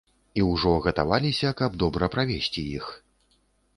І ўжо гатаваліся, каб добра правесці іх.